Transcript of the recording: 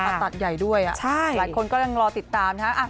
ผ่าตัดใหญ่ด้วยอ่ะใช่หลายคนก็ยังรอติดตามนะครับ